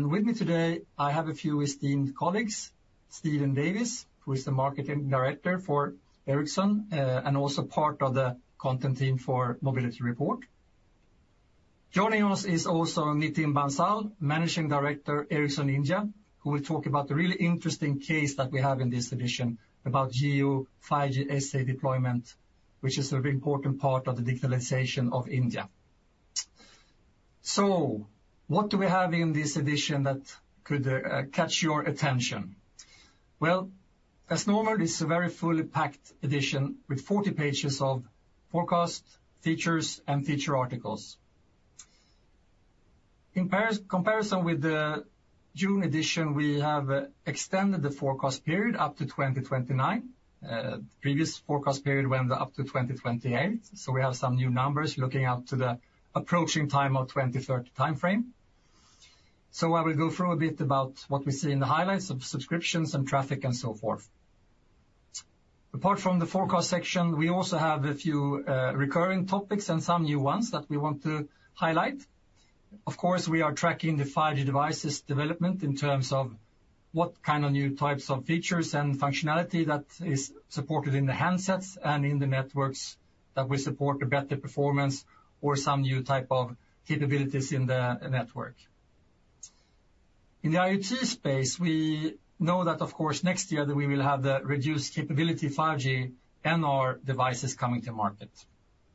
With me today, I have a few esteemed colleagues, Steve Davis, who is the Marketing Director for Ericsson, and also part of the content team for Mobility Report. Joining us is also Nitin Bansal, Managing Director, Ericsson India, who will talk about the really interesting case that we have in this edition about Jio 5G SA deployment, which is a very important part of the digitalization of India. So what do we have in this edition that could catch your attention? Well, as normal, this is a very fully packed edition, with 40 pages of forecast, features, and feature articles. In comparison with the June edition, we have extended the forecast period up to 2029. The previous forecast period went up to 2028, so we have some new numbers looking out to the approaching time of 2030 timeframe. So I will go through a bit about what we see in the highlights of subscriptions and traffic and so forth. Apart from the forecast section, we also have a few, recurring topics and some new ones that we want to highlight. Of course, we are tracking the 5G devices development in terms of what kind of new types of features and functionality that is supported in the handsets and in the networks, that we support a better performance or some new type of capabilities in the network. In the IoT space, we know that of course, next year, that we will have the reduced capability 5G NR devices coming to market.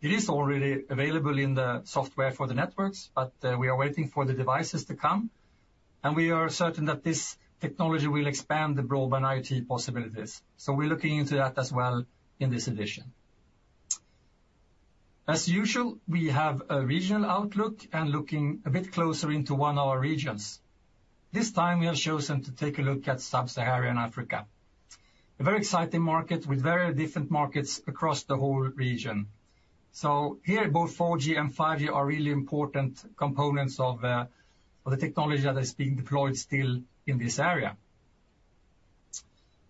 It is already available in the software for the networks, but, we are waiting for the devices to come, and we are certain that this technology will expand the broadband IoT possibilities. So we're looking into that as well in this edition. As usual, we have a regional outlook and looking a bit closer into one of our regions. This time, we have chosen to take a look at Sub-Saharan Africa, a very exciting market with very different markets across the whole region. So here, both 4G and 5G are really important components of the technology that is being deployed still in this area.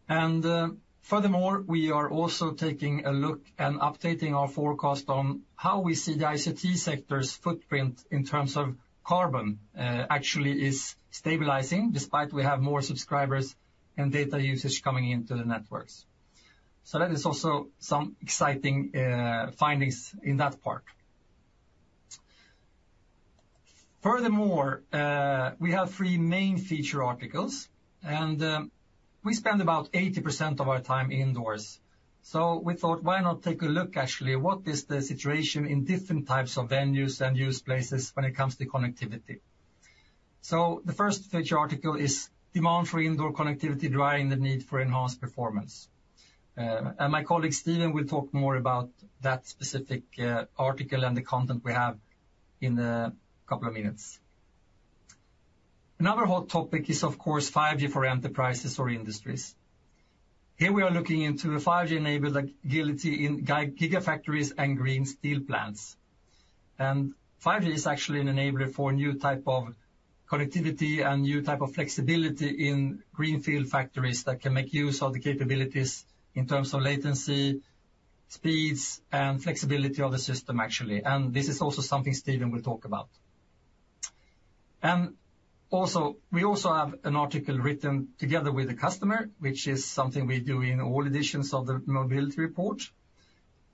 And, furthermore, we are also taking a look and updating our forecast on how we see the ICT sector's footprint in terms of carbon, actually is stabilizing, despite we have more subscribers and data usage coming into the networks. So that is also some exciting findings in that part. Furthermore, we have three main feature articles, and we spend about 80% of our time indoors. So we thought, why not take a look, actually, what is the situation in different types of venues and use places when it comes to connectivity? So the first feature article is: Demand for indoor connectivity, driving the need for enhanced performance. And my colleague, Steve, will talk more about that specific article and the content we have in a couple of minutes. Another hot topic is, of course, 5G for enterprises or industries. Here we are looking into a 5G-enabled agility in gigafactories and green steel plants. And 5G is actually an enabler for a new type of connectivity and new type of flexibility in greenfield factories that can make use of the capabilities in terms of latency, speeds, and flexibility of the system, actually, and this is also something Steve will talk about. We also have an article written together with a customer, which is something we do in all editions of the Mobility Report.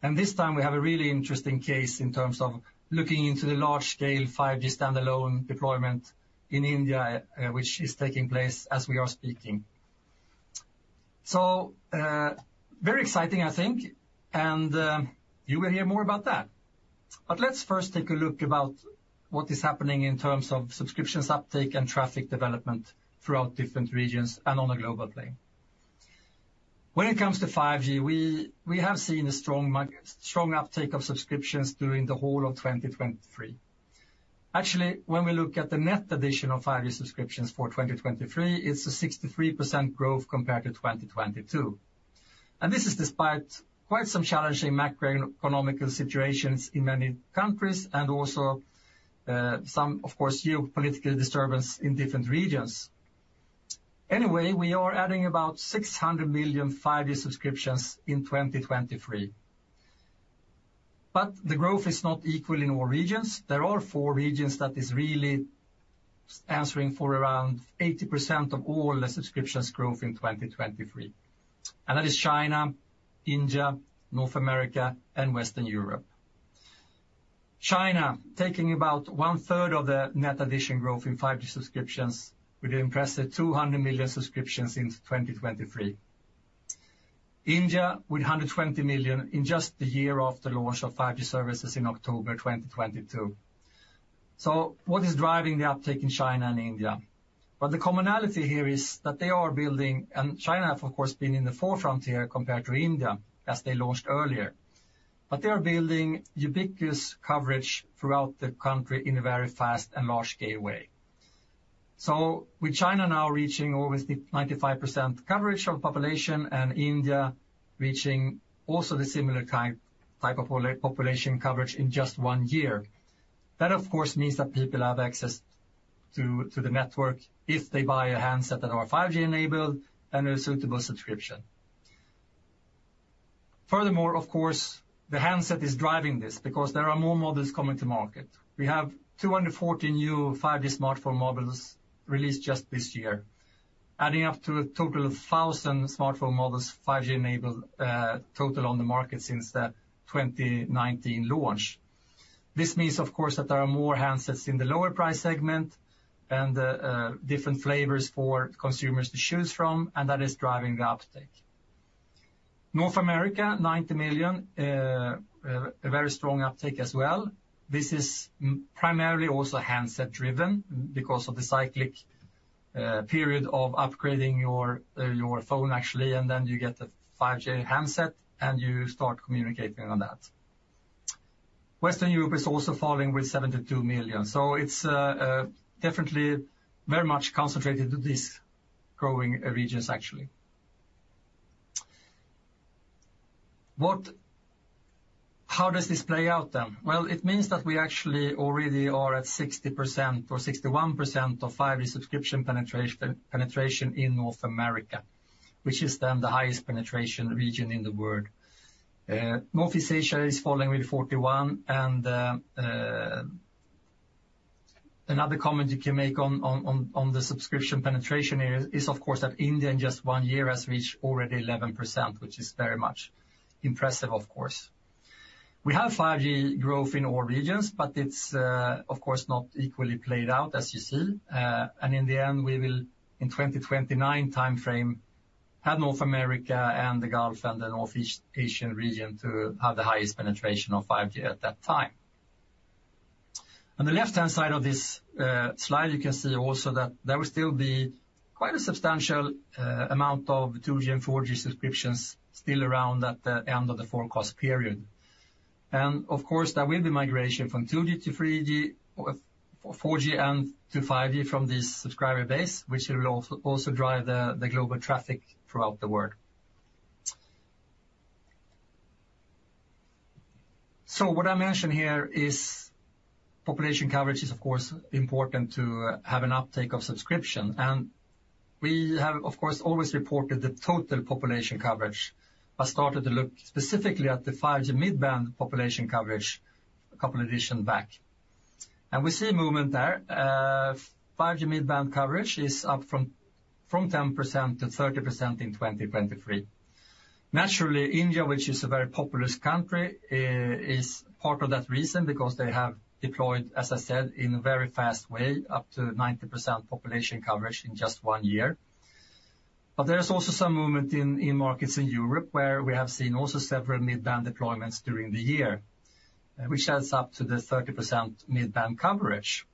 And this time, we have a really interesting case in terms of looking into the large-scale 5G Standalone deployment in India, which is taking place as we are speaking. Very exciting, I think, and you will hear more about that. But let's first take a look about what is happening in terms of subscriptions, uptake, and traffic development throughout different regions and on a global plane. When it comes to 5G, we have seen a strong uptake of subscriptions during the whole of 2023. Actually, when we look at the net addition of 5G subscriptions for 2023, it's a 63% growth compared to 2022. This is despite quite some challenging macroeconomic situations in many countries and also some of course geopolitical disturbance in different regions. Anyway, we are adding about 600 million 5G subscriptions in 2023. The growth is not equal in all regions. There are four regions that is really answering for around 80% of all the subscriptions growth in 2023, and that is China, India, North America, and Western Europe. China, taking about one-third of the net addition growth in 5G subscriptions, with an impressive 200 million subscriptions in 2023. India, with 120 million in just the year after the launch of 5G services in October 2022. What is driving the uptake in China and India? Well, the commonality here is that they are building, and China, of course, being in the forefront here compared to India, as they launched earlier. But they are building ubiquitous coverage throughout the country in a very fast and large gateway. So with China now reaching over the 95% coverage of population and India reaching also the similar type of population coverage in just one year, that, of course, means that people have access to the network if they buy a handset that are 5G-enabled and a suitable subscription. Furthermore, of course, the handset is driving this because there are more models coming to market. We have 240 new 5G smartphone models released just this year, adding up to a total of 1,000 smartphone models, 5G-enabled, total on the market since the 2019 launch. This means, of course, that there are more handsets in the lower price segment and different flavors for consumers to choose from, and that is driving the uptake. North America, 90 million, a very strong uptake as well. This is primarily also handset-driven because of the cyclic period of upgrading your phone, actually, and then you get the 5G handset and you start communicating on that. Western Europe is also following with 72 million. So it's definitely very much concentrated to these growing regions, actually. What, how does this play out, then? Well, it means that we actually already are at 60% or 61% of 5G subscription penetration in North America, which is then the highest penetration region in the world. Northeast Asia is following with 41, and another comment you can make on the subscription penetration is, of course, that India, in just one year, has reached already 11%, which is very much impressive, of course. We have 5G growth in all regions, but it's, of course, not equally played out, as you see. And in the end, we will, in 2029 timeframe, have North America and the Gulf and the Northeast Asian region to have the highest penetration of 5G at that time. On the left-hand side of this slide, you can see also that there will still be quite a substantial amount of 2G and 4G subscriptions still around at the end of the forecast period. Of course, there will be migration from 2G to 3G, or 4G and to 5G from this subscriber base, which will also drive the global traffic throughout the world. So what I mentioned here is population coverage is of course important to have an uptake of subscription. And we have, of course, always reported the total population coverage, but started to look specifically at the 5G mid-band population coverage a couple of editions back. And we see a movement there. 5G mid-band coverage is up from 10% to 30% in 2023. Naturally, India, which is a very populous country, is part of that reason, because they have deployed, as I said, in a very fast way, up to 90% population coverage in just one year. But there is also some movement in markets in Europe, where we have seen also several mid-band deployments during the year, which adds up to the 30% mid-band coverage.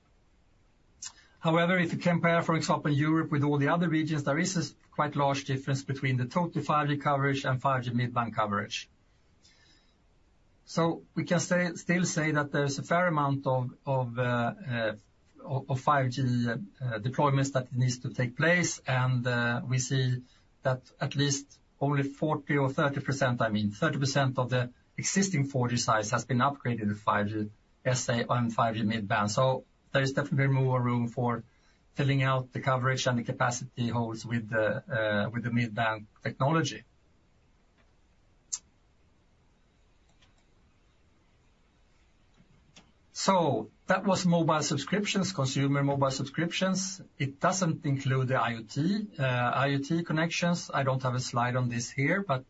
However, if you compare, for example, Europe with all the other regions, there is a quite large difference between the total 5G coverage and 5G mid-band coverage. So we can say, still say that there is a fair amount of 5G deployments that needs to take place, and we see that at least only 40% or 30%, I mean, 30% of the existing 4G sites has been upgraded to 5G SA and 5G mid-band. So there is definitely more room for filling out the coverage and the capacity holes with the mid-band technology. So that was mobile subscriptions, consumer mobile subscriptions. It doesn't include the IoT connections. I don't have a slide on this here, but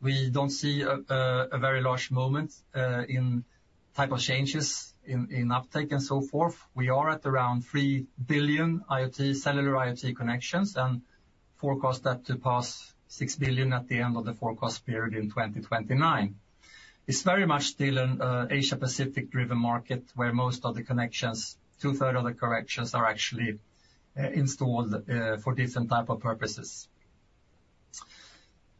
we don't see a very large movement in type of changes in uptake and so forth. We are at around three billion IoT, cellular IoT connections, and forecast that to pass 6 billion at the end of the forecast period in 2029. It's very much still an Asia-Pacific driven market, where most of the connections, two-thirds of the connections are actually installed for different type of purposes.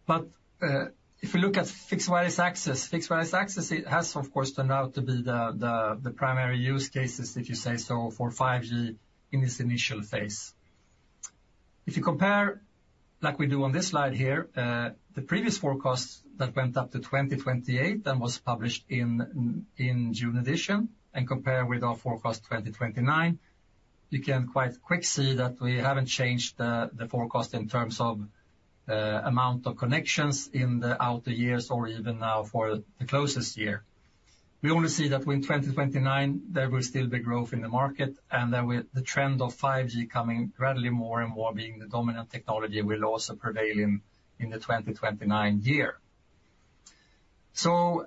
But if you look at fixed wireless access, it has, of course, turned out to be the primary use cases, if you say so, for 5G in this initial phase. If you compare, like we do on this slide here, the previous forecast that went up to 2028 and was published in the June edition, and compare with our forecast 2029, you can quite quick see that we haven't changed the forecast in terms of amount of connections in the outer years or even now for the closest year. We only see that in 2029, there will still be growth in the market, and then with the trend of 5G coming gradually, more and more being the dominant technology, will also prevail in the 2029 year. So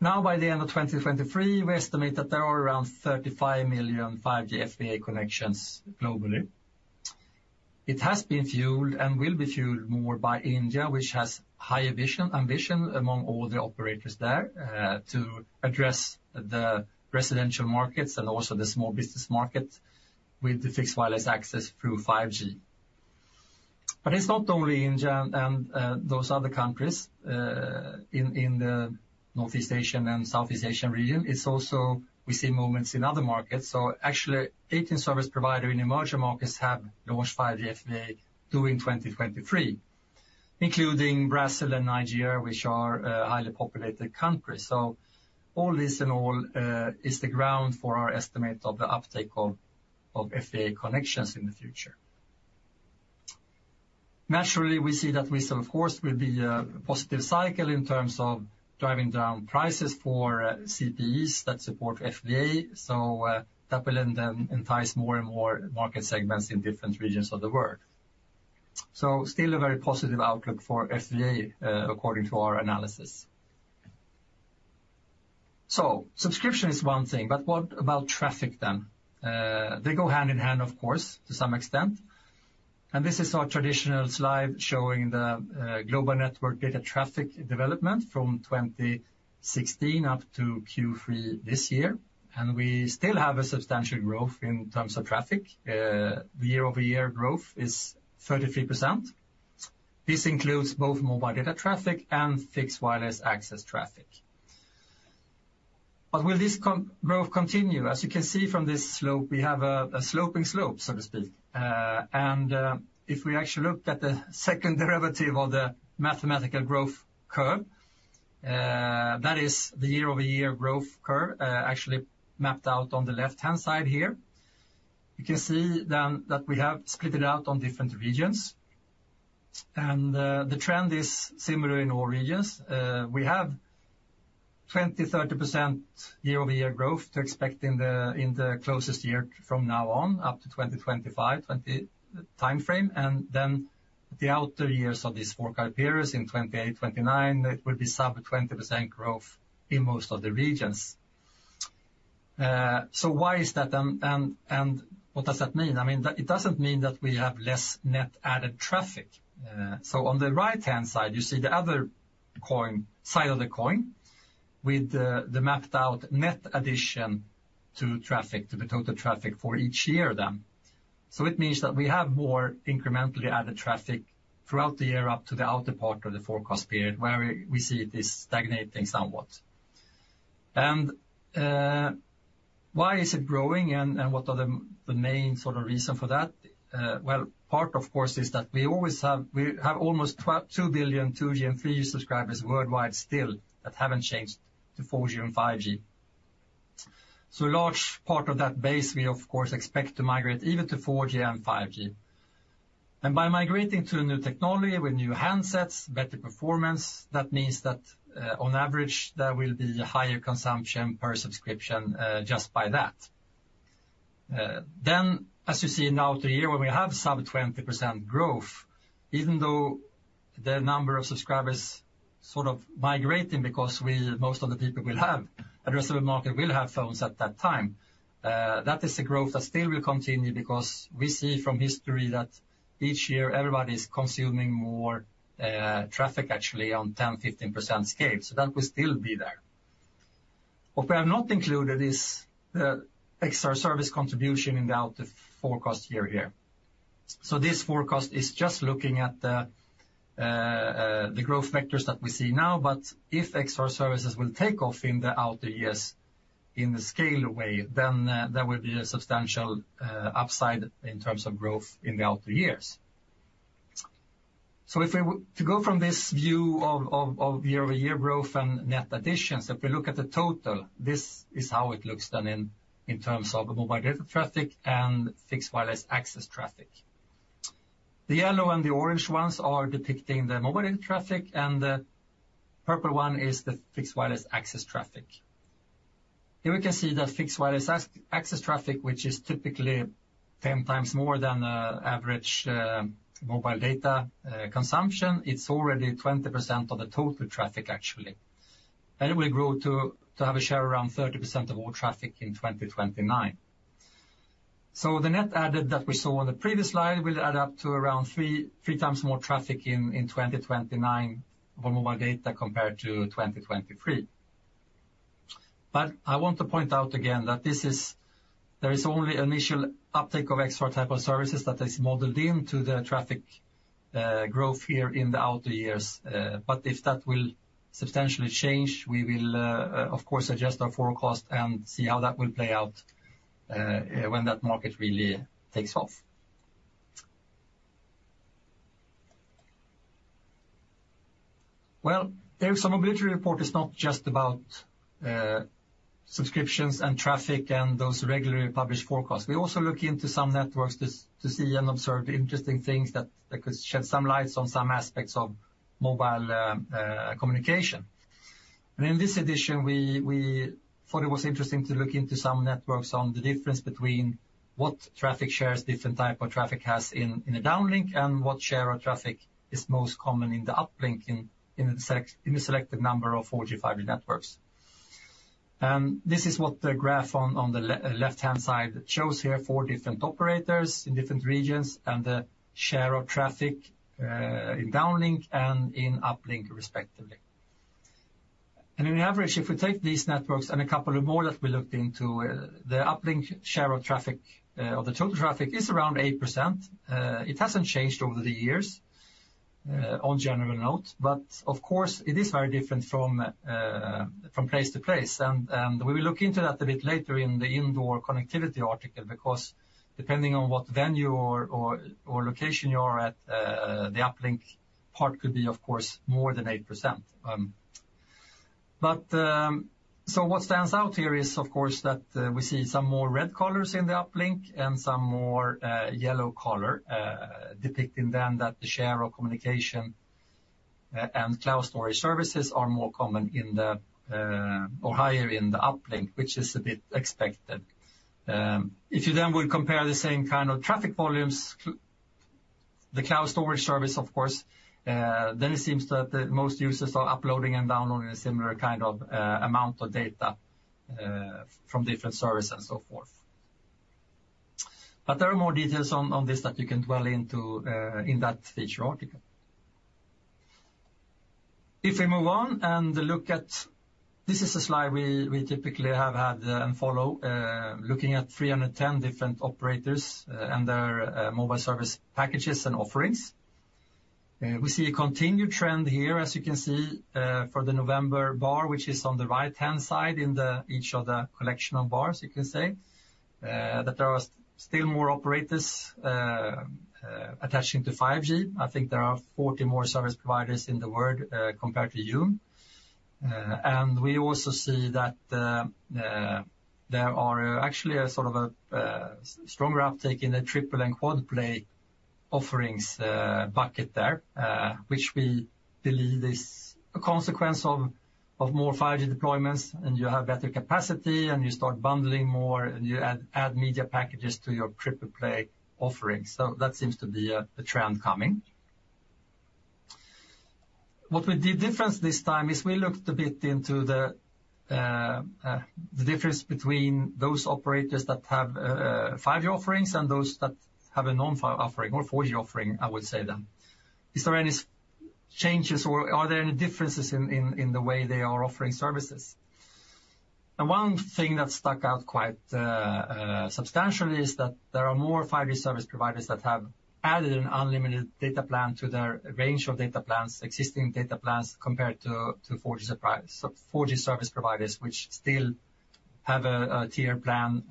now, by the end of 2023, we estimate that there are around 35 million 5G FWA connections globally. It has been fueled and will be fueled more by India, which has high ambition among all the operators there to address the residential markets and also the small business market with the fixed wireless access through 5G. But it's not only India and those other countries in the Northeast Asian and Southeast Asian region; it's also, we see movements in other markets. So actually, 18 service providers in emerging markets have launched 5G FWA during 2023, including Brazil and Nigeria, which are highly populated countries. So all this in all is the ground for our estimate of the uptake of FWA connections in the future. Naturally, we see that we, of course, will be a positive cycle in terms of driving down prices for CPEs that support FWA. So, that will then entice more and more market segments in different regions of the world. So still a very positive outlook for FWA, according to our analysis. So subscription is one thing, but what about traffic then? They go hand in hand, of course, to some extent. And this is our traditional slide showing the global network data traffic development from 2016 up to Q3 this year. And we still have a substantial growth in terms of traffic. The year-over-year growth is 33%. This includes both mobile data traffic and fixed wireless access traffic. But will this growth continue? As you can see from this slope, we have a sloping slope, so to speak. And if we actually looked at the second derivative of the mathematical growth curve, that is the year-over-year growth curve, actually mapped out on the left-hand side here. You can see then that we have split it out on different regions, and the trend is similar in all regions. We have 20-30% year-over-year growth to expect in the closest year from now on, up to 2025-2030 timeframe. And then the outer years of this forecast period in 2028, 2029, it will be sub-20% growth in most of the regions. So why is that, and what does that mean? I mean, it doesn't mean that we have less net added traffic. So on the right-hand side, you see the other side of the coin, with the mapped out net addition to traffic, to the total traffic for each year then. So it means that we have more incrementally added traffic throughout the year up to the outer part of the forecast period, where we see it is stagnating somewhat. And why is it growing, and what are the main sort of reason for that? Well, part, of course, is that we always have, we have almost two billion, two billion 3G subscribers worldwide still that haven't changed to 4G and 5G. So a large part of that base, we of course expect to migrate even to 4G and 5G. By migrating to a new technology with new handsets, better performance, that means that on average there will be higher consumption per subscription, just by that. Then, as you see now, the year where we have sub-20% growth, even though the number of subscribers sort of migrating, because we, most of the people will have, addressable market will have phones at that time. That is the growth that still will continue because we see from history that each year everybody's consuming more, traffic actually on 10%-15% scale, so that will still be there. What we have not included is the extra service contribution in the outer forecast year here. So this forecast is just looking at the growth vectors that we see now, but if extra services will take off in the outer years in the scale way, then there will be a substantial upside in terms of growth in the outer years. So if we want to go from this view of year-over-year growth and net additions, if we look at the total, this is how it looks then in terms of mobile data traffic and fixed wireless access traffic. The yellow and the orange ones are depicting the mobile data traffic, and the purple one is the fixed wireless access traffic. Here we can see that fixed wireless access traffic, which is typically 10 times more than average mobile data consumption, it's already 20% of the total traffic, actually. It will grow to have a share around 30% of all traffic in 2029. So the net added that we saw on the previous slide will add up to around three times more traffic in 2029 for mobile data compared to 2023. But I want to point out again that this is, there is only initial uptick of extra type of services that is modeled into the traffic growth here in the outer years. But if that will substantially change, we will, of course, adjust our forecast and see how that will play out when that market really takes off. Well, the Ericsson Mobility Report is not just about subscriptions and traffic and those regularly published forecasts. We also look into some networks to see and observe interesting things that, that could shed some light on some aspects of mobile communication. And in this edition, we thought it was interesting to look into some networks on the difference between what traffic shares, different type of traffic has in a downlink and what share of traffic is most common in the uplink in a selected number of 4G, 5G networks. And this is what the graph on the left-hand side shows here, four different operators in different regions, and the share of traffic in downlink and in uplink, respectively. And on average, if we take these networks and a couple of more that we looked into, the uplink share of traffic of the total traffic is around 8%. It hasn't changed over the years on a general note, but of course, it is very different from place to place. We will look into that a bit later in the indoor connectivity article, because depending on what venue or location you are at, the uplink part could be, of course, more than 8%. So what stands out here is, of course, that we see some more red colors in the uplink and some more yellow color depicting then that the share of communication and cloud storage services are more common in the uplink or higher in the uplink, which is a bit expected. If you then would compare the same kind of traffic volumes, the cloud storage service, of course, then it seems that the most users are uploading and downloading a similar kind of amount of data from different services and so forth. But there are more details on this that you can dwell into in that feature article. If we move on and look at—This is a slide we typically have had and follow, looking at 310 different operators and their mobile service packages and offerings. We see a continued trend here, as you can see, for the November bar, which is on the right-hand side in each of the collection of bars, you can say that there are still more operators attaching to 5G. I think there are 40 more service providers in the world, compared to June. We also see that there are actually a sort of a stronger uptake in the triple and quad play offerings bucket there, which we believe is a consequence of more 5G deployments, and you have better capacity, and you start bundling more, and you add media packages to your triple play offerings. That seems to be a trend coming. What we did different this time is we looked a bit into the difference between those operators that have 5G offerings and those that have a non-5G offering or 4G offering, I would say then. Is there any changes, or are there any differences in the way they are offering services? One thing that stuck out quite substantially is that there are more 5G service providers that have added an unlimited data plan to their range of data plans, existing data plans, compared to 4G surprisingly, so 4G service providers, which still have a tier plan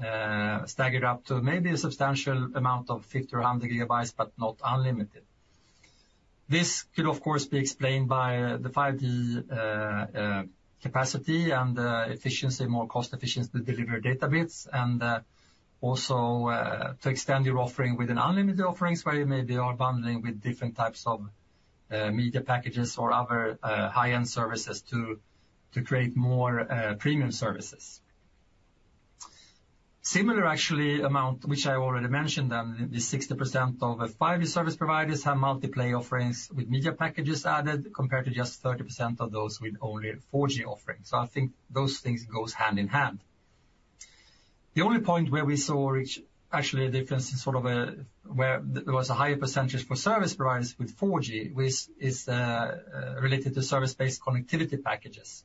staggered up to maybe a substantial amount of 50 or 100 GB, but not unlimited. This could, of course, be explained by the 5G capacity and efficiency, more cost efficiency to deliver data bits, and also to extend your offering with an unlimited offerings, where you may be all bundling with different types of media packages or other high-end services to create more premium services. Similar, actually, amount, which I already mentioned, is 60% of 5G service providers have multi-play offerings with media packages added, compared to just 30% of those with only 4G offerings. So I think those things goes hand in hand. The only point where we saw which actually a difference in sort of, where there was a higher percentage for service providers with 4G, which is, related to service-based connectivity packages.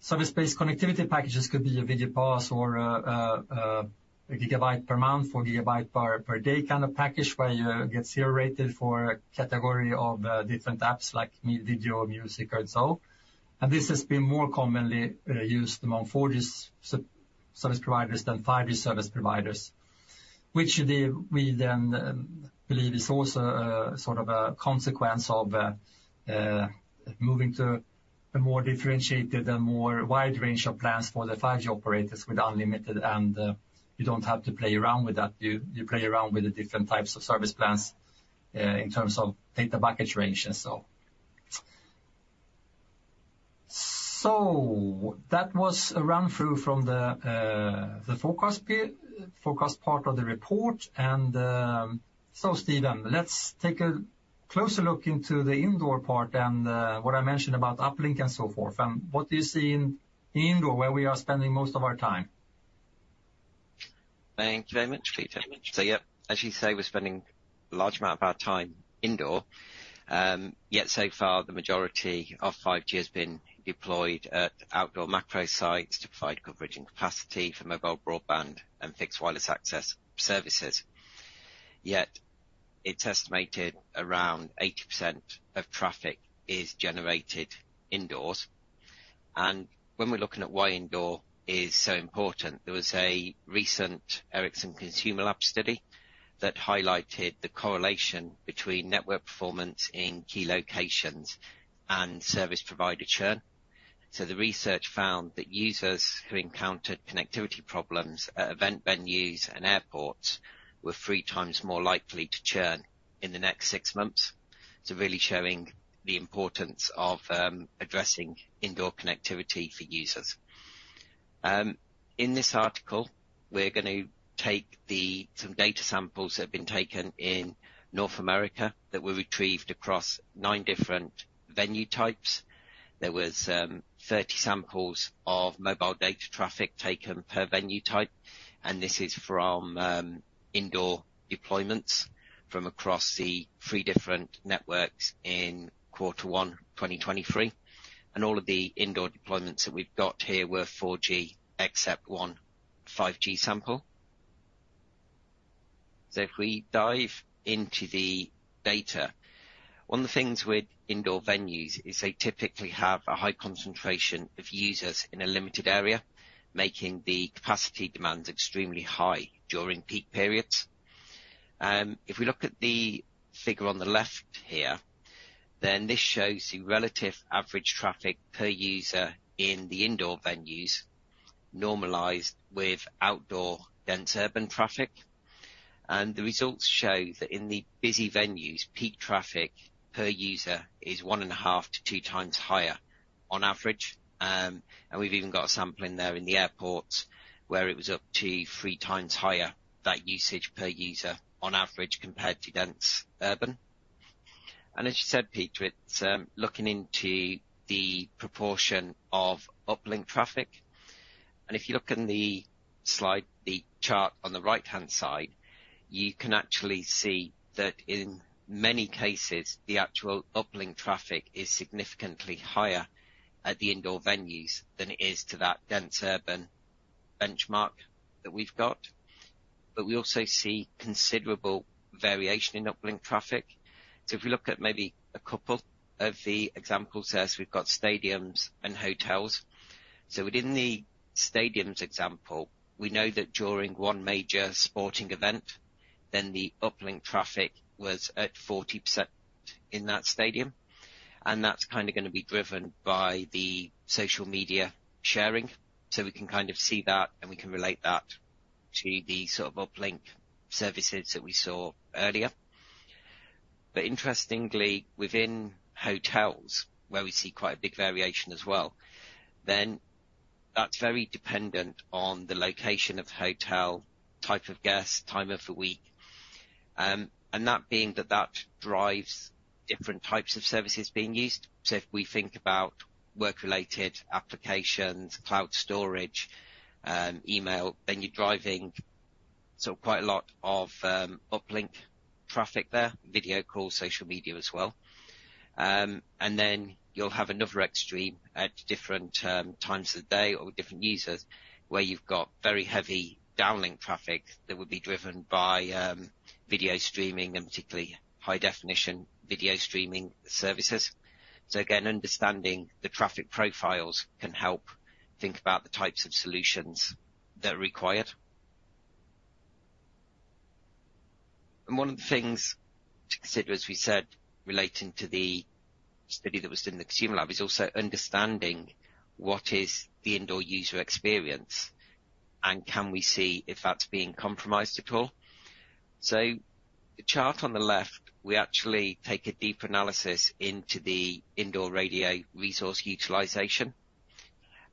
Service-based connectivity packages could be a video pass or a gigabyte per month, 4 GB per day kind of package, where you get zero rated for a category of different apps like video, music, and so on. This has been more commonly used among 4G service providers than 5G service providers, which we then believe is also sort of a consequence of moving to a more differentiated and more wide range of plans for the 5G operators with unlimited, and you don't have to play around with that. You play around with the different types of service plans in terms of data package ranges, so. That was a run-through from the forecast part of the report. Steve, let's take a closer look into the indoor part and what I mentioned about uplink and so forth. What do you see in indoor, where we are spending most of our time? Thank you very much, Peter. So, yeah, as you say, we're spending a large amount of our time indoors, yet so far, the majority of 5G has been deployed at outdoor macro sites to provide coverage and capacity for mobile broadband and fixed wireless access services. Yet it's estimated around 80% of traffic is generated indoors. And when we're looking at why indoor is so important, there was a recent Ericsson ConsumerLab study that highlighted the correlation between network performance in key locations and service provider churn. So the research found that users who encountered connectivity problems at event venues and airports were three times more likely to churn in the next six months. So really showing the importance of, addressing indoor connectivity for users. In this article, we're gonna take the... Some data samples that have been taken in North America, that were retrieved across nine different venue types. There was 30 samples of mobile data traffic taken per venue type, and this is from indoor deployments from across the three different networks in Q1 2023. All of the indoor deployments that we've got here were 4G, except one 5G sample. So if we dive into the data, one of the things with indoor venues is they typically have a high concentration of users in a limited area, making the capacity demands extremely high during peak periods. If we look at the figure on the left here, then this shows the relative average traffic per user in the indoor venues, normalized with outdoor dense urban traffic. The results show that in the busy venues, peak traffic per user is 1.5 to two times higher on average. And we've even got a sample in there in the airports, where it was up to three times higher, that usage per user on average, compared to dense urban. And as you said, Peter, it's looking into the proportion of uplink traffic, and if you look in the slide, the chart on the right-hand side, you can actually see that in many cases, the actual uplink traffic is significantly higher at the indoor venues than it is to that dense urban benchmark that we've got. But we also see considerable variation in uplink traffic. So if you look at maybe a couple of the examples there, we've got stadiums and hotels. So within the stadiums example, we know that during one major sporting event, then the uplink traffic was at 40% in that stadium, and that's kinda gonna be driven by the social media sharing. We can kind of see that, and we can relate that to the sort of uplink services that we saw earlier. But interestingly, within hotels, where we see quite a big variation as well, then that's very dependent on the location of hotel, type of guest, time of the week, and that drives different types of services being used. If we think about work-related applications, cloud storage, email, then you're driving so quite a lot of uplink traffic there, video calls, social media as well. And then you'll have another extreme at different times of the day or different users, where you've got very heavy downlink traffic that would be driven by video streaming and particularly high-definition video streaming services. So again, understanding the traffic profiles can help think about the types of solutions that are required. And one of the things to consider, as we said, relating to the study that was done in the ConsumerLab, is also understanding what is the indoor user experience, and can we see if that's being compromised at all? So the chart on the left, we actually take a deeper analysis into the indoor radio resource utilization.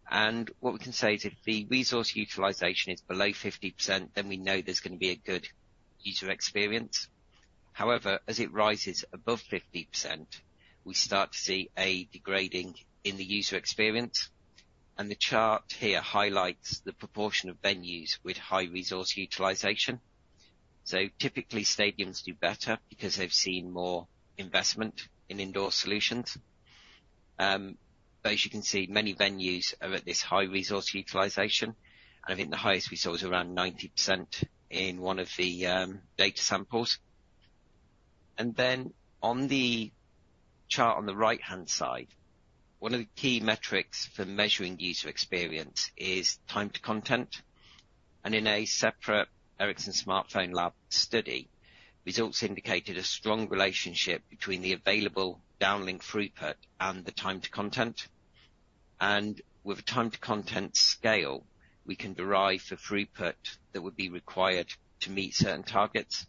And what we can say is, if the resource utilization is below 50%, then we know there's gonna be a good user experience. However, as it rises above 50%, we start to see a degrading in the user experience, and the chart here highlights the proportion of venues with high resource utilization. So typically, stadiums do better because they've seen more investment in indoor solutions. But as you can see, many venues are at this high resource utilization, and I think the highest we saw was around 90% in one of the data samples. And then on the chart on the right-hand side, one of the key metrics for measuring user experience is time to content, and in a separate Ericsson Smartphone Lab study, results indicated a strong relationship between the available downlink throughput and the time to content. And with the time to content scale, we can derive the throughput that would be required to meet certain targets.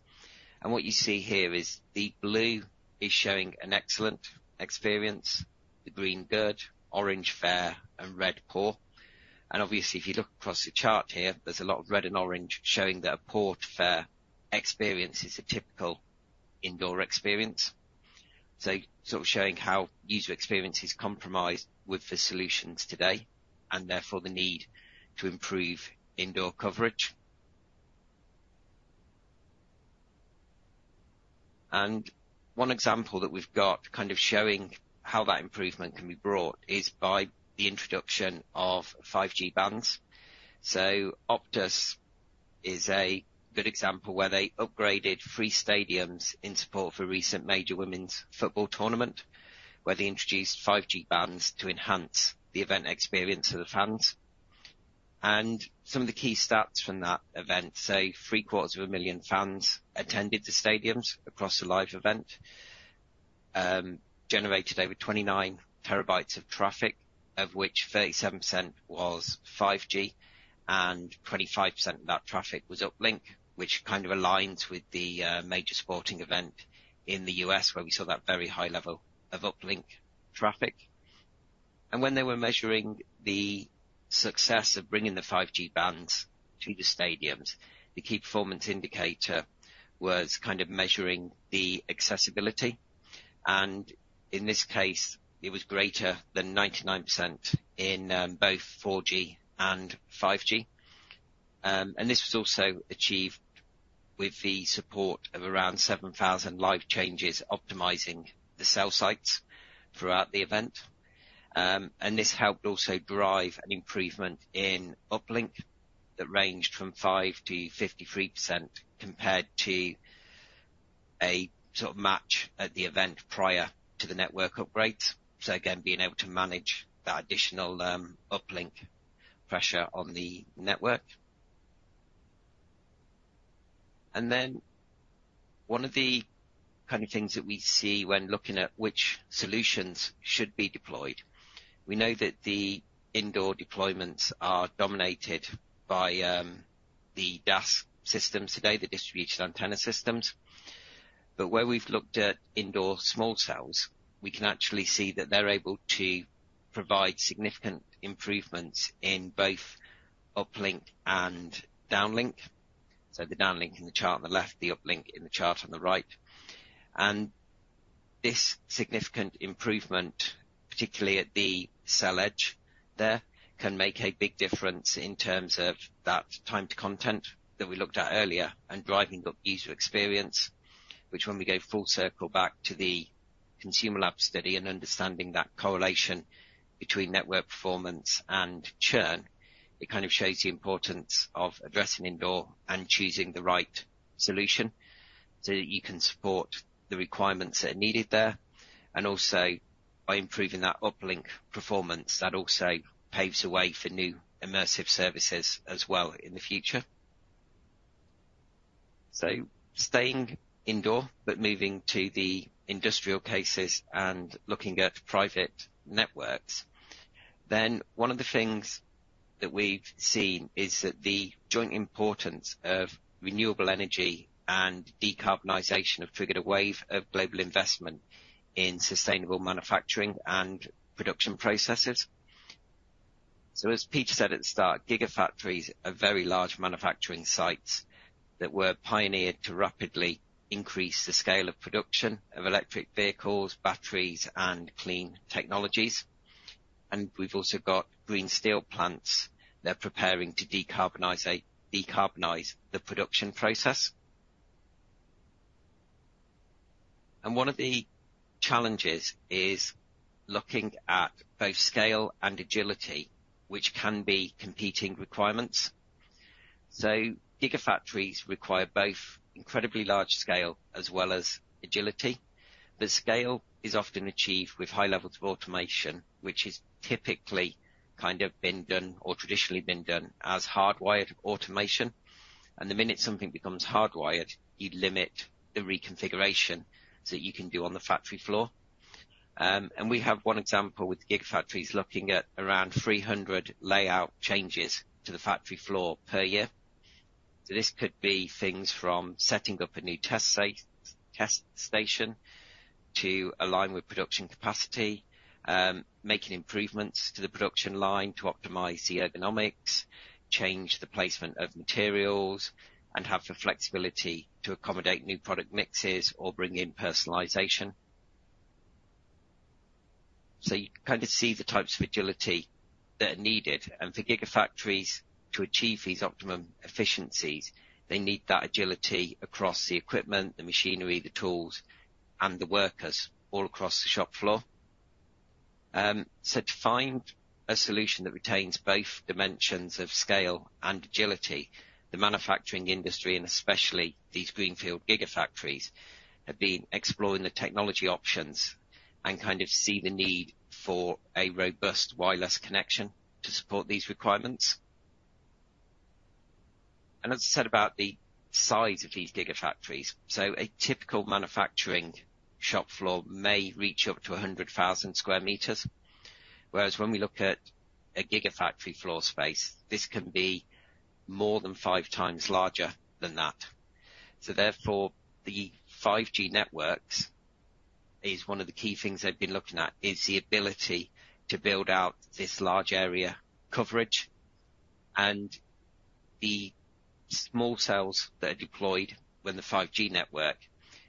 What you see here is the blue is showing an excellent experience, the green, good, orange, fair, and red, poor. Obviously, if you look across the chart here, there's a lot of red and orange showing that a poor to fair experience is a typical indoor experience. So sort of showing how user experience is compromised with the solutions today, and therefore, the need to improve indoor coverage. One example that we've got, kind of showing how that improvement can be brought, is by the introduction of 5G bands. So Optus is a good example, where they upgraded three stadiums in support for recent major women's football tournament, where they introduced 5G bands to enhance the event experience of the fans. Some of the key stats from that event say 750,000 fans attended the stadiums across the live event, generated over 29 TB of traffic, of which 37% was 5G, and 25% of that traffic was uplink, which kind of aligns with the major sporting event in the U.S. where we saw that very high level of uplink traffic. When they were measuring the success of bringing the 5G bands to the stadiums, the key performance indicator was kind of measuring the accessibility, and in this case, it was greater than 99% in both 4G and 5G. This was also achieved with the support of around 7,000 live changes, optimizing the cell sites throughout the event. And this helped also drive an improvement in uplink that ranged from 5%-53% compared to a sort of match at the event prior to the network upgrades. So again, being able to manage that additional uplink pressure on the network. And then one of the kind of things that we see when looking at which solutions should be deployed, we know that the indoor deployments are dominated by the DAS systems today, the distributed antenna systems. But where we've looked at indoor small cells, we can actually see that they're able to provide significant improvements in both uplink and downlink. So the downlink in the chart on the left, the uplink in the chart on the right. This significant improvement, particularly at the cell edge there, can make a big difference in terms of that time to content that we looked at earlier and driving up user experience, which when we go full circle back to the ConsumerLab study and understanding that correlation between network performance and churn, it kind of shows the importance of addressing indoor and choosing the right solution, so that you can support the requirements that are needed there, and also by improving that uplink performance, that also paves the way for new immersive services as well in the future. Staying indoor, but moving to the industrial cases and looking at private networks, then one of the things that we've seen is that the joint importance of renewable energy and decarbonization have triggered a wave of global investment in sustainable manufacturing and production processes. So as Peter said at the start, gigafactories are very large manufacturing sites that were pioneered to rapidly increase the scale of production of electric vehicles, batteries, and clean technologies. We've also got green steel plants. They're preparing to decarbonize the production process. One of the challenges is looking at both scale and agility, which can be competing requirements. Gigafactories require both incredibly large scale as well as agility. The scale is often achieved with high levels of automation, which is typically kind of been done or traditionally been done as hardwired automation. The minute something becomes hardwired, you limit the reconfiguration, so you can do on the factory floor. We have one example with gigafactories looking at around 300 layout changes to the factory floor per year. So this could be things from setting up a new test station to align with production capacity, making improvements to the production line to optimize the ergonomics, change the placement of materials, and have the flexibility to accommodate new product mixes or bring in personalization. So you can kind of see the types of agility that are needed. And for gigafactories to achieve these optimum efficiencies, they need that agility across the equipment, the machinery, the tools, and the workers all across the shop floor. So to find a solution that retains both dimensions of scale and agility, the manufacturing industry, and especially these greenfield gigafactories, have been exploring the technology options and kind of see the need for a robust wireless connection to support these requirements. And as I said about the size of these gigafactories, so a typical manufacturing shop floor may reach up to 100,000 sqm. Whereas when we look at a gigafactory floor space, this can be more than five times larger than that. So therefore, the 5G networks is one of the key things they've been looking at, is the ability to build out this large area coverage and the small cells that are deployed when the 5G network.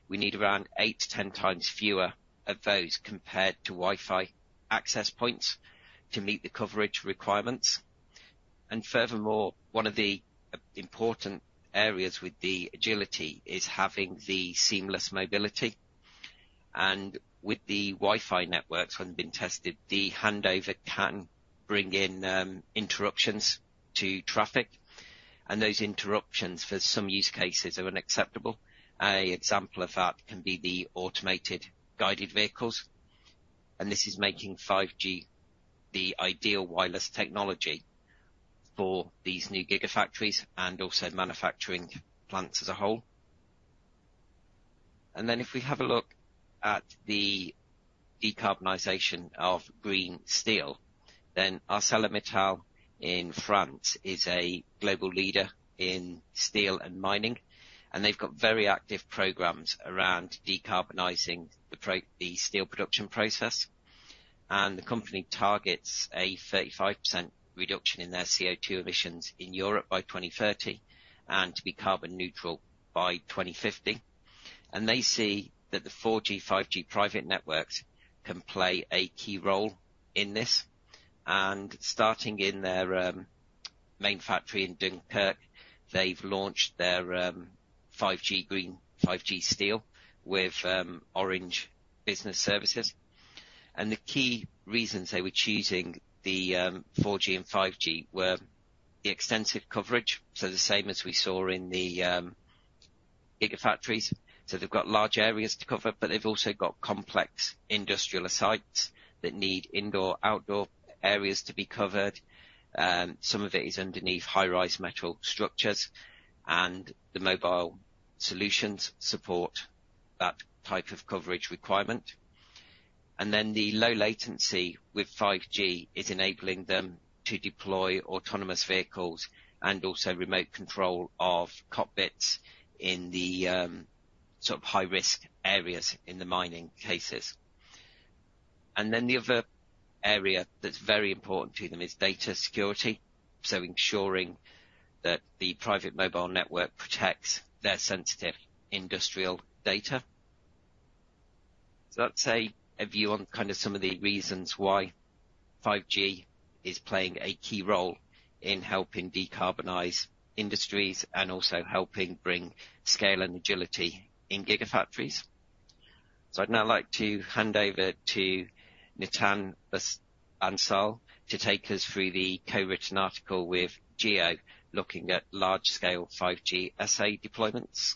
We need around eight to 10 times fewer of those compared to Wi-Fi access points to meet the coverage requirements. And furthermore, one of the important areas with the agility is having the seamless mobility. And with the Wi-Fi networks, when been tested, the handover can bring in interruptions to traffic, and those interruptions, for some use cases, are unacceptable. An example of that can be the automated guided vehicles, and this is making 5G the ideal wireless technology for these new gigafactories and also manufacturing plants as a whole. Then, if we have a look at the decarbonization of green steel, ArcelorMittal in France is a global leader in steel and mining, and they've got very active programs around decarbonizing the steel production process. The company targets a 35% reduction in their CO2 emissions in Europe by 2030, and to be carbon neutral by 2050. They see that the 4G, 5G private networks can play a key role in this. Starting in their main factory in Dunkirk, they've launched their 5G Green, 5G Steel with Orange Business Services. The key reasons they were choosing the 4G and 5G were-... the extensive coverage, so the same as we saw in the gigafactories. So they've got large areas to cover, but they've also got complex industrial sites that need indoor/outdoor areas to be covered. Some of it is underneath high-rise metal structures, and the mobile solutions support that type of coverage requirement. And then the low latency with 5G is enabling them to deploy autonomous vehicles and also remote control of cockpits in the sort of high-risk areas in the mining cases. And then the other area that's very important to them is data security, so ensuring that the private mobile network protects their sensitive industrial data. So that's a view on kind of some of the reasons why 5G is playing a key role in helping decarbonize industries and also helping bring scale and agility in gigafactories. I'd now like to hand over to Nitin Bansal to take us through the co-written article with Jio, looking at large-scale 5G SA deployments.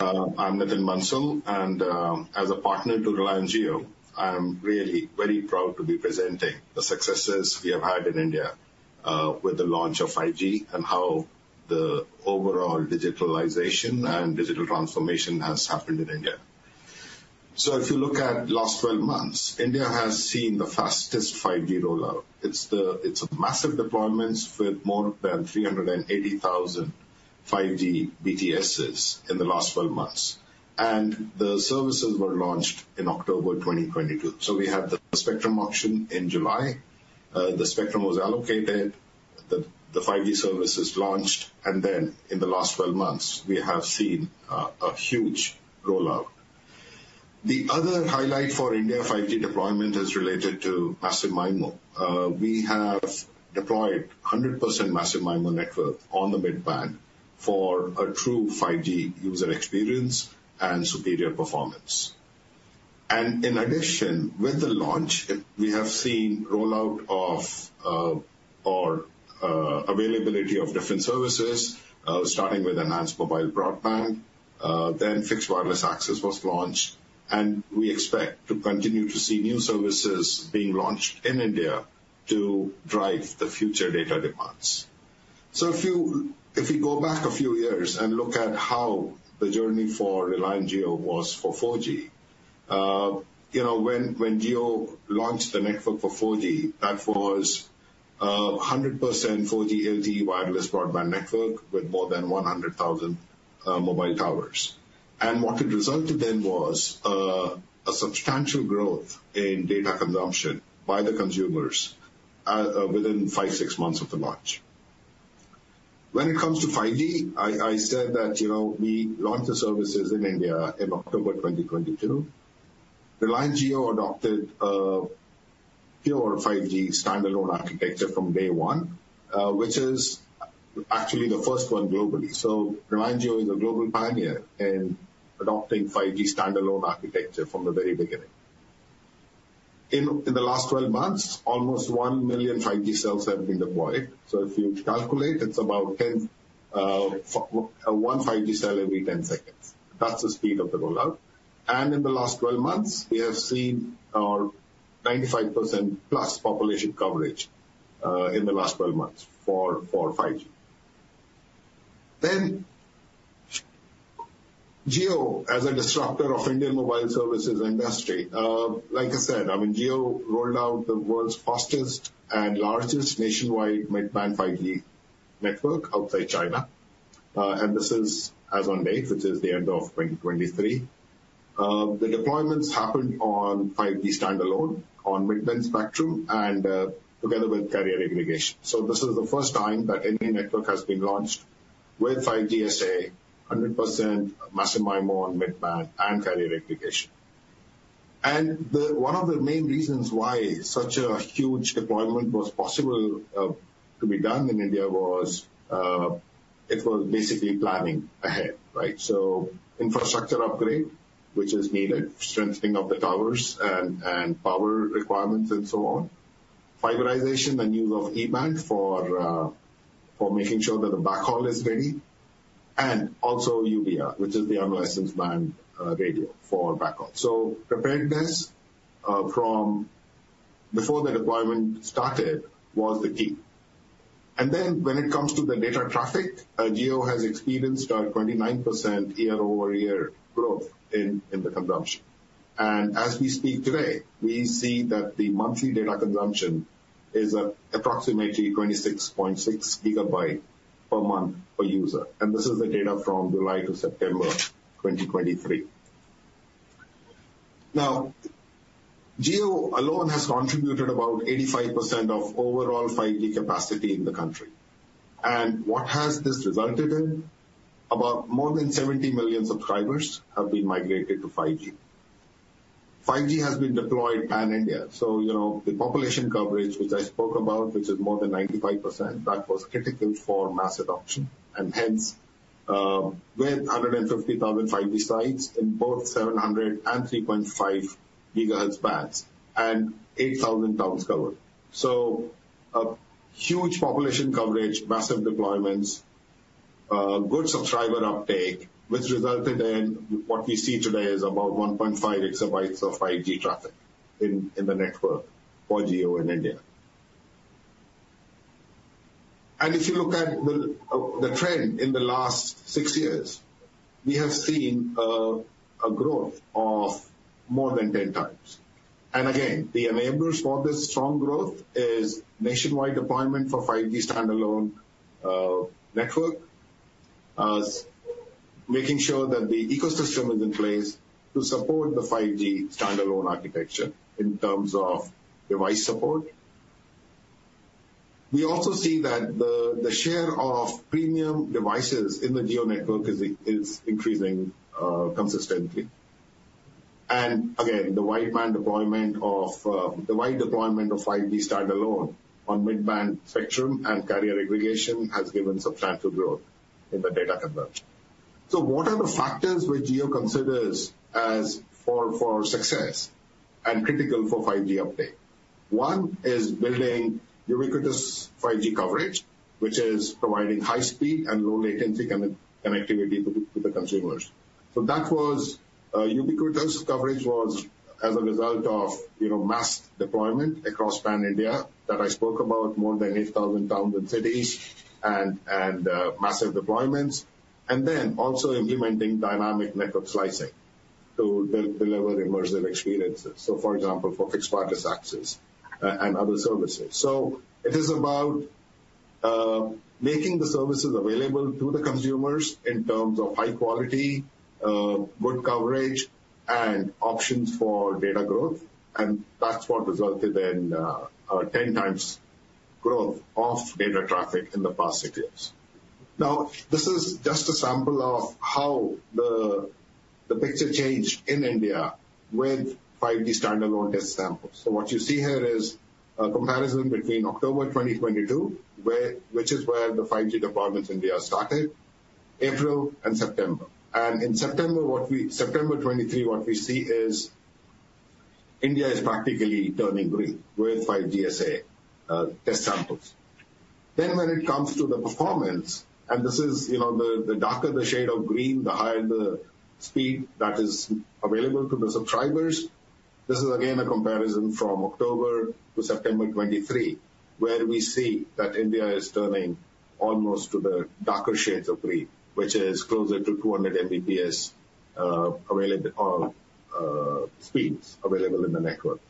I'm Nitin Bansal, and, as a partner to Reliance Jio, I'm really very proud to be presenting the successes we have had in India, with the launch of 5G and how the overall digitalization and digital transformation has happened in India. So if you look at last 12 months, India has seen the fastest 5G rollout. It's a massive deployments with more than 380,000 5G BTSes in the last 12 months, and the services were launched in October 2022. So we had the spectrum auction in July. The spectrum was allocated, the 5G services launched, and then in the last 12 months, we have seen a huge rollout. The other highlight for India 5G deployment is related to massive MIMO. We have deployed 100% massive MIMO network on the mid-band for a true 5G user experience and superior performance. In addition, with the launch, we have seen rollout of availability of different services, starting with enhanced mobile broadband, then fixed wireless access was launched, and we expect to continue to see new services being launched in India to drive the future data demands. So if you go back a few years and look at how the journey for Reliance Jio was for 4G, you know, when Jio launched the network for 4G, that was a 100% 4G LTE wireless broadband network with more than 100,000 mobile towers. And what it resulted in was a substantial growth in data consumption by the consumers within five, six months of the launch. When it comes to 5G, I said that, you know, we launched the services in India in October 2022. Reliance Jio adopted pure 5G Standalone architecture from day one, which is actually the first one globally. So Reliance Jio is a global pioneer in adopting 5G Standalone architecture from the very beginning. In the last 12 months, almost one million 5G cells have been deployed. So if you calculate, it's about 10, one 5G cell every 10 seconds. That's the speed of the rollout. And in the last 12 months, we have seen 95%+ population coverage in the last 12 months for 5G. Jio, as a disruptor of Indian mobile services industry, like I said, I mean, Jio rolled out the world's fastest and largest nationwide mid-band 5G network outside China, and this is as on date, which is the end of 2023. The deployments happened on 5G Standalone, on mid-band spectrum and, together with carrier aggregation. So this is the first time that any network has been launched with 5G SA, 100% massive MIMO on mid-band and carrier aggregation. And the one of the main reasons why such a huge deployment was possible, to be done in India was, it was basically planning ahead, right? So infrastructure upgrade, which is needed, strengthening of the towers and power requirements and so on. Fiberization, the use of E-band for, for making sure that the backhaul is ready, and also UBR, which is the unlicensed band radio for backhaul. So preparedness, from before the deployment started was the key. And then when it comes to the data traffic, Jio has experienced a 29% year-over-year growth in the consumption. And as we speak today, we see that the monthly data consumption is approximately 26.6 GB per month per user. And this is the data from July to September 2023. Now, Jio alone has contributed about 85% of overall 5G capacity in the country. And what has this resulted in? About more than 70 million subscribers have been migrated to 5G. 5G has been deployed pan-India, so you know, the population coverage, which I spoke about, which is more than 95%, that was critical for mass adoption, and hence with 150,000 5G sites in both 700 and 3.5 GHz bands and 8,000 towns covered. So a huge population coverage, massive deployments, good subscriber uptake, which resulted in what we see today is about 1.5 exabytes of 5G traffic in the network for Jio in India. And if you look at the trend in the last six years, we have seen a growth of more than 10 times. And again, the enablers for this strong growth is nationwide deployment for 5G Standalone network. us making sure that the ecosystem is in place to support the 5G Standalone architecture in terms of device support. We also see that the share of premium devices in the Jio network is increasing consistently. Again, the wideband deployment of 5G Standalone on mid-band spectrum and carrier aggregation has given substantial growth in the data consumption. What are the factors which Jio considers as for success and critical for 5G uptake? One is building ubiquitous 5G coverage, which is providing high speed and low latency connectivity to the consumers. So that was ubiquitous coverage as a result of, you know, mass deployment across pan India that I spoke about more than 8,000 towns and cities and massive deployments, and then also implementing dynamic network slicing to deliver immersive experiences, so for example, for fixed wireless access and other services. So it is about making the services available to the consumers in terms of high quality, good coverage, and options for data growth, and that's what resulted in 10 times growth of data traffic in the past six years. Now, this is just a sample of how the picture changed in India with 5G Standalone test samples. So what you see here is a comparison between October 2022, which is where the 5G deployments in India started, April and September. And in September, September 2023, what we see is India is practically turning green with 5G SA test samples. Then when it comes to the performance, and this is, you know, the darker the shade of green, the higher the speed that is available to the subscribers. This is again, a comparison from October to September 2023, where we see that India is turning almost to the darker shades of green, which is closer to 200 Mbps available speeds available in the network.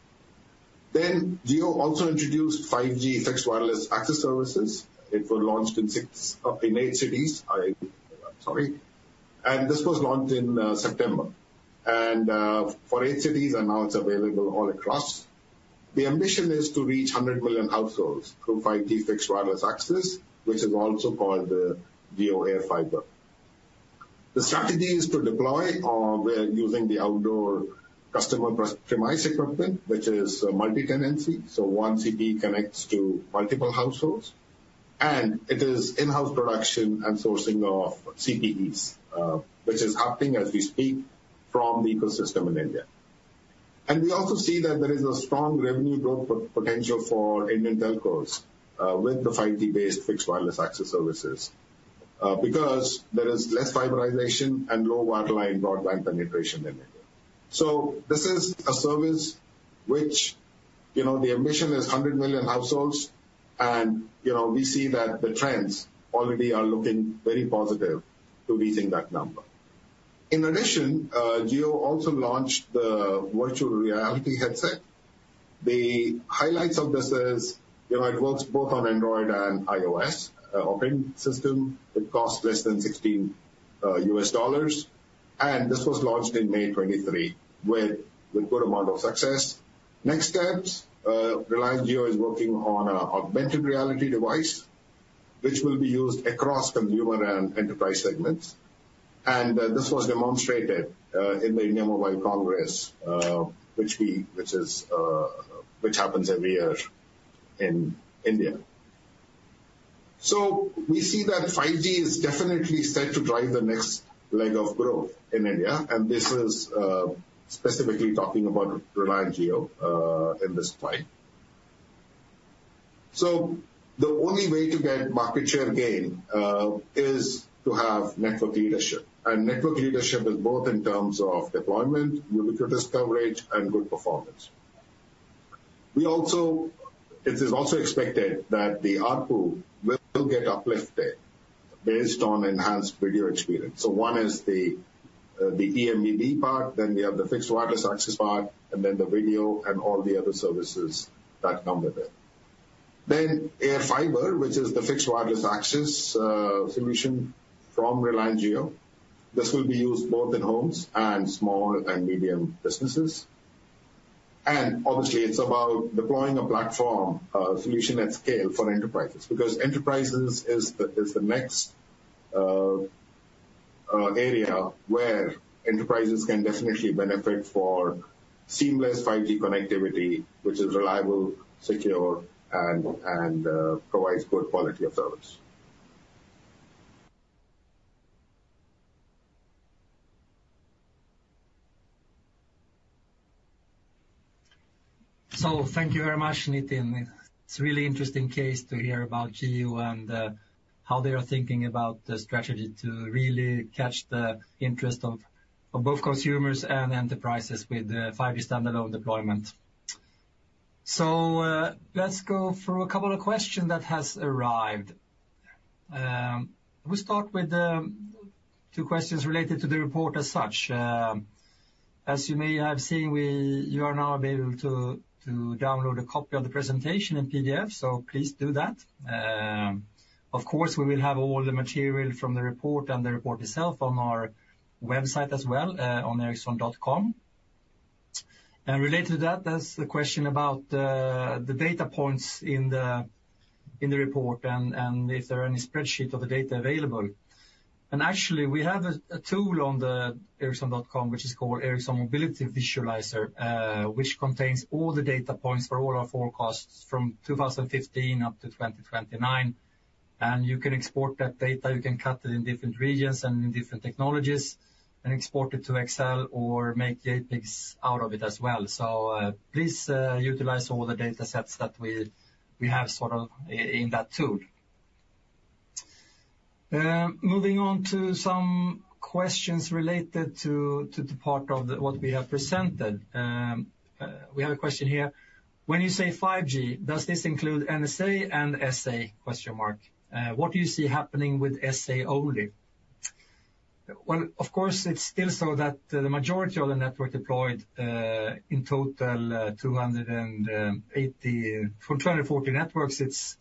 Then Jio also introduced 5G fixed wireless access services. It was launched in eight cities, sorry. And this was launched in September, and for eight cities, and now it's available all across. The ambition is to reach 100 million households through 5G fixed wireless access, which is also called the Jio AirFiber. The strategy is to deploy, we're using the outdoor customer premises equipment, which is multi-tenancy, so one CPE connects to multiple households, and it is in-house production and sourcing of CPEs, which is happening as we speak from the ecosystem in India. We also see that there is a strong revenue growth potential for Indian telcos with the 5G-based fixed wireless access services because there is less fiberization and low wireline broadband penetration in India. So this is a service which, you know, the ambition is 100 million households, and, you know, we see that the trends already are looking very positive to reaching that number. In addition, Jio also launched the virtual reality headset. The highlights of this is, you know, it works both on Android and iOS operating system. It costs less than $16, and this was launched in May 2023 with good amount of success. Next steps, Reliance Jio is working on a augmented reality device, which will be used across consumer and enterprise segments. And this was demonstrated in the India Mobile Congress, which we... which happens every year in India. So we see that 5G is definitely set to drive the next leg of growth in India, and this is, specifically talking about Reliance Jio, in this slide. So the only way to get market share gain, is to have network leadership, and network leadership is both in terms of deployment, ubiquitous coverage, and good performance. It is also expected that the ARPU will get uplifted based on enhanced video experience. So one is the, the eMBB part, then we have the fixed wireless access part, and then the video and all the other services that come with it. Then AirFiber, which is the fixed wireless access, solution from Reliance Jio. This will be used both in homes and small and medium businesses. Obviously, it's about deploying a platform solution at scale for enterprises, because enterprises is the next area where enterprises can definitely benefit for seamless 5G connectivity, which is reliable, secure, and provides good quality of service. So thank you very much, Nitin. It's a really interesting case to hear about Jio and how they are thinking about the strategy to really catch the interest of both consumers and enterprises with the 5G Standalone deployment. So let's go through a couple of questions that has arrived. We start with two questions related to the report as such. As you may have seen, you are now able to to download a copy of the presentation in PDF, so please do that. Of course, we will have all the material from the report and the report itself on our website as well, on ericsson.com. And related to that, there's a question about the data points in the report and if there are any spreadsheets of the data available. And actually, we have a tool on the ericsson.com, which is called Ericsson Mobility Visualizer, which contains all the data points for all our forecasts from 2015 up to 2029. And you can export that data, you can cut it in different regions and in different technologies, and export it to Excel or make JPEGs out of it as well. So, please, utilize all the data sets that we have sort of in that tool. Moving on to some questions related to the part of what we have presented. We have a question here: When you say 5G, does this include NSA and SA? What do you see happening with SA only? Well, of course, it's still so that the majority of the network deployed in total, 280... For 240 networks, it's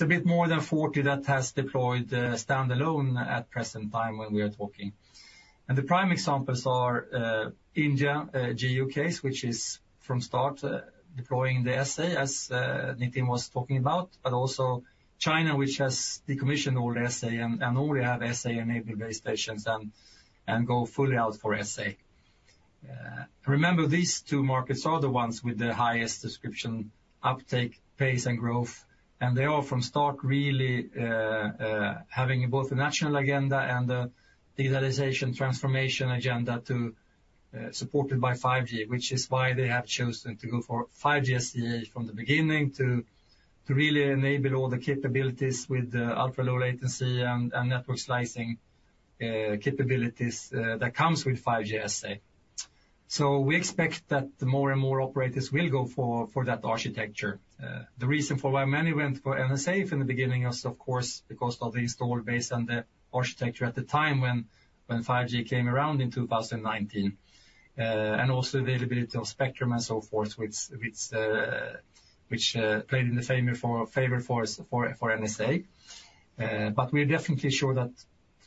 a bit more than 40 that has deployed standalone at present time when we are talking. And the prime examples are India, Jio case, which is from start deploying the SA, as Nitin was talking about, but also China, which has decommissioned all the NSA and only have SA-enabled base stations and go fully out for SA. Remember, these two markets are the ones with the highest subscription uptake, pace, and growth, and they are from start really having both a national agenda and a digitalization transformation agenda to supported by 5G, which is why they have chosen to go for 5G SA from the beginning, to really enable all the capabilities with the ultra-low latency and network slicing capabilities that comes with 5G SA. So we expect that more and more operators will go for that architecture. The reason for why many went for NSA in the beginning was, of course, because of the installed base and the architecture at the time when 5G came around in 2019. And also the availability of spectrum and so forth, which played in the favor for NSA. But we are definitely sure that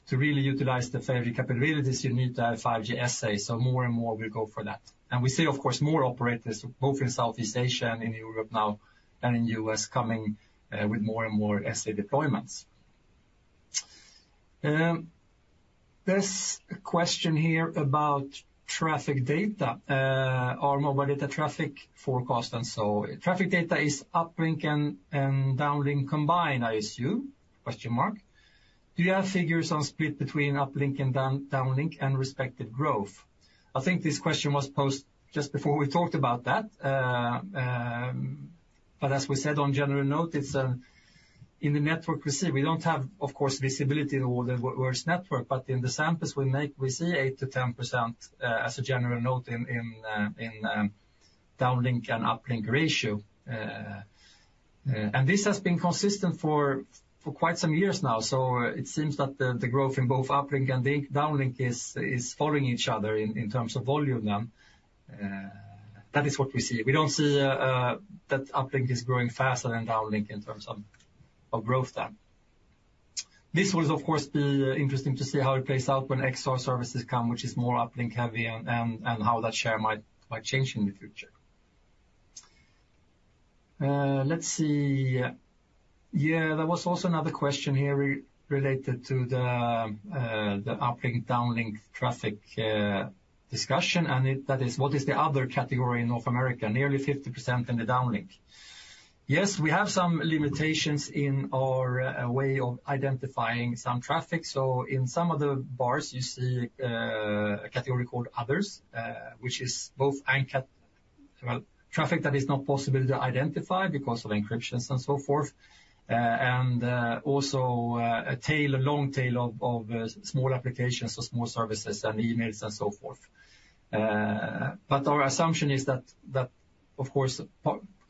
to really utilize the 5G capabilities, you need to have 5G SA, so more and more will go for that. And we see, of course, more operators, both in Southeast Asia and in Europe now, and in the U.S., coming with more and more SA deployments. There's a question here about traffic data, our mobile data traffic forecast, and so: Traffic data is uplink and downlink combined, I assume? Do you have figures on split between uplink and downlink and respective growth? I think this question was posed just before we talked about that. But as we said on general note, it's in the network we see, we don't have, of course, visibility in all the world's network, but in the samples we make, we see 8%-10%, as a general note in downlink and uplink ratio. And this has been consistent for quite some years now, so it seems that the growth in both uplink and downlink is following each other in terms of volume, then. That is what we see. We don't see that uplink is growing faster than downlink in terms of growth then. This will, of course, be interesting to see how it plays out when XR services come, which is more uplink heavy, and how that share might change in the future. Let's see. Yeah, there was also another question here related to the uplink, downlink traffic discussion, and that is: What is the other category in North America? Nearly 50% in the downlink. Yes, we have some limitations in our way of identifying some traffic. So in some of the bars, you see, a category called Others, which is both—well, traffic that is not possible to identify because of encryptions and so forth, and also a tail, a long tail of small applications or small services and emails and so forth. But our assumption is that, of course,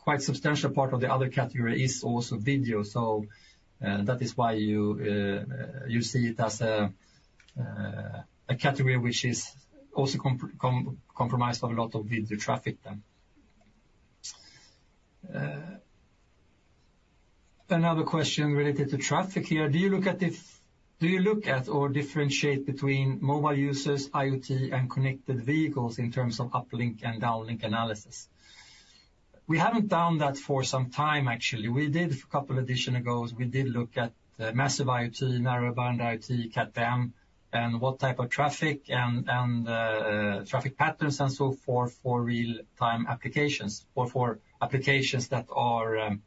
quite substantial part of the other category is also video. So, that is why you see it as a category which is also comprised of a lot of video traffic then. Another question related to traffic here: Do you look at or differentiate between mobile users, IoT, and connected vehicles in terms of uplink and downlink analysis? We haven't done that for some time, actually. We did, a couple of editions ago, we did look at the Massive IoT, Narrowband IoT, Cat-M, and what type of traffic and, and, traffic patterns and so forth, for real-time applications or for applications that are,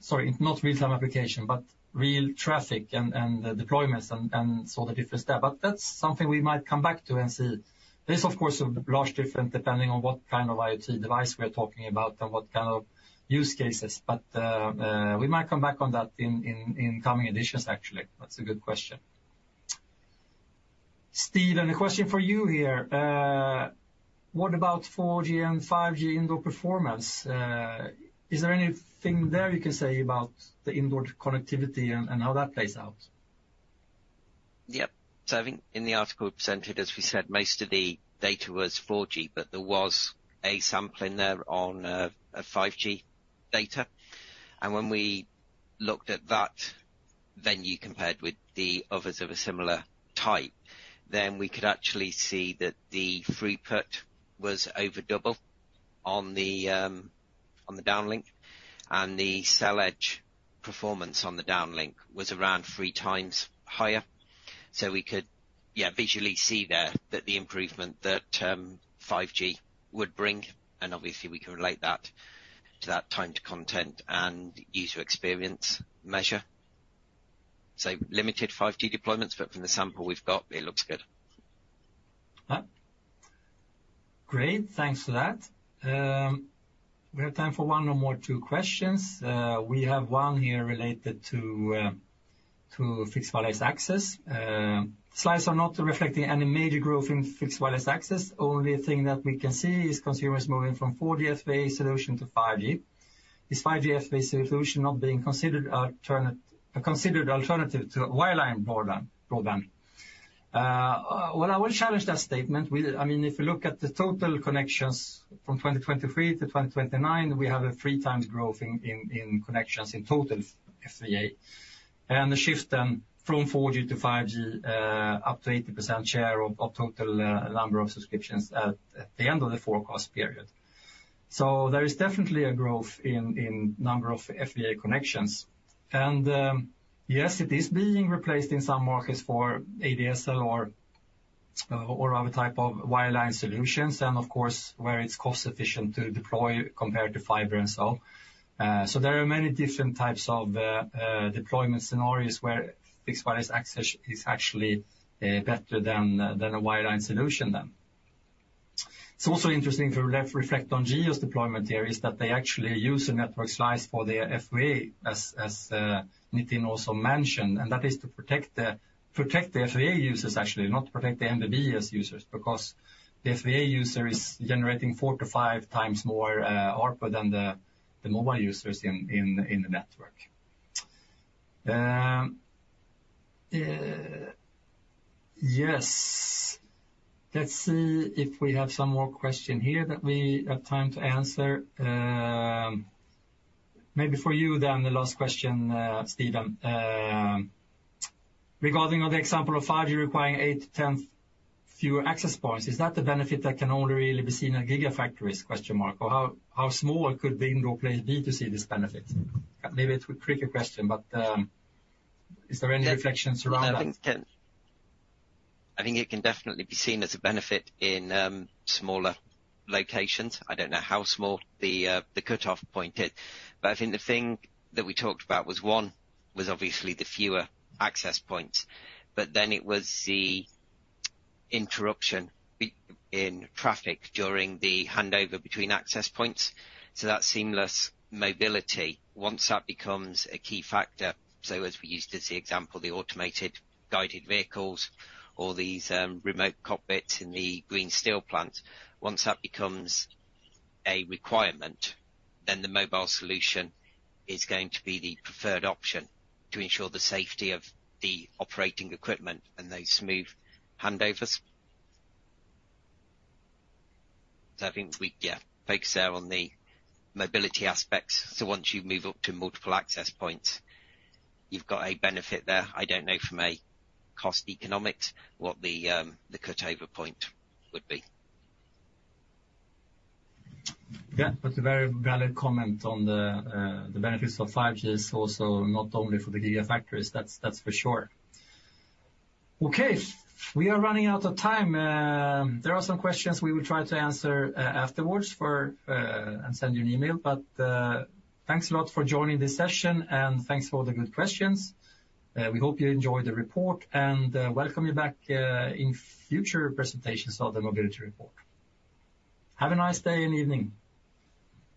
sorry, not real-time application, but real traffic and, and deployments and, and so the difference there. But that's something we might come back to and see. This, of course, is largely different, depending on what kind of IoT device we are talking about and what kind of use cases. But, we might come back on that in coming editions, actually. That's a good question. Steve, and a question for you here. What about 4G and 5G indoor performance? Is there anything there you can say about the indoor connectivity and, and how that plays out? Yep. So I think in the article presented, as we said, most of the data was 4G, but there was a sample in there on a 5G data. And when we looked at that, then you compared with the others of a similar type, then we could actually see that the throughput was over double on the downlink, and the cell edge performance on the downlink was around three times higher. So we could, yeah, visually see there that the improvement that 5G would bring, and obviously we can relate that to that time to content and user experience measure. So limited 5G deployments, but from the sample we've got, it looks good. Great, thanks for that. We have time for one or more, two questions. We have one here related to fixed wireless access. Slides are not reflecting any major growth in fixed wireless access. Only thing that we can see is consumers moving from 4G FWA solution to 5G. Is 5G FWA solution not being considered alternative to a wireline broadband? Well, I will challenge that statement. We, I mean, if you look at the total connections from 2023 to 2029, we have a three times growth in connections in total FWA. And the shift then from 4G to 5G, up to 80% share of total number of subscriptions at the end of the forecast period. So there is definitely a growth in number of FWA connections. Yes, it is being replaced in some markets for ADSL or, or other type of wireline solutions, and of course, where it's cost efficient to deploy compared to fiber and so on. So there are many different types of, deployment scenarios where fixed wireless access is actually, better than a wireline solution than. It's also interesting to reflect on Jio's deployment here, is that they actually use a network slice for their FWA, as Nitin also mentioned, and that is to protect the FWA users, actually, not to protect the eMBB users, because the FWA user is generating four to five times more ARPU than the mobile users in the network. Yes. Let's see if we have some more questions here that we have time to answer. Maybe for you, then, the last question, Steve. Regarding on the example of 5G requiring eight to 10 fewer access points, is that the benefit that can only really be seen in gigafactories? Or how small could the indoor place be to see this benefit? Maybe it's a tricky question, but, is there any reflections around that? I think it can definitely be seen as a benefit in smaller locations. I don't know how small the cutoff point is, but I think the thing that we talked about was obviously the fewer access points, but then it was the interruption in traffic during the handover between access points. So that seamless mobility, once that becomes a key factor, so as we used as the example, the automated guided vehicles or these remote cockpits in the green steel plant. Once that becomes a requirement, then the mobile solution is going to be the preferred option to ensure the safety of the operating equipment and those smooth handovers. So I think we, yeah, focus there on the mobility aspects. So once you move up to multiple access points, you've got a benefit there. I don't know from a cost economics, what the cut over point would be. Yeah, that's a very valid comment on the, the benefits of 5G is also not only for the gigafactories, that's, that's for sure. Okay, we are running out of time. There are some questions we will try to answer, afterwards for, and send you an email, but, thanks a lot for joining this session, and thanks for all the good questions. We hope you enjoyed the report, and, welcome you back, in future presentations of the Mobility Report. Have a nice day and evening!